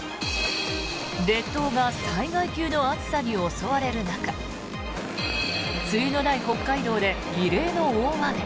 列島が災害級の暑さに襲われる中梅雨のない北海道で異例の大雨。